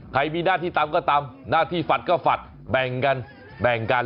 มีหน้าที่ตามก็ตามหน้าที่ฝัดก็ฝัดแบ่งกันแบ่งกัน